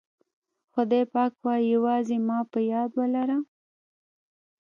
خدای پاک وایي یوازې ما په یاد ولره.